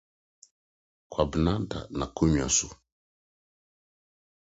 Kwabena da n'agua so.